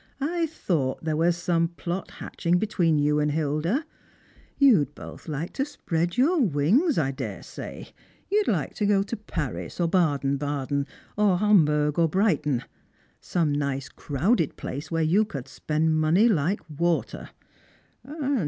"I thought there was some plot hatching between you and Hilda. You'd both like to spread your wings, I daresay. You'd like to go to Paris, or Baden Baden, or Hombourg, or Brighton. Some nice crowded place, where you could spend money like water.